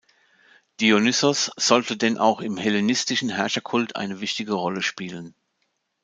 Dionysos sollte denn auch im hellenistischen Herrscherkult eine wichtige Rolle spielen.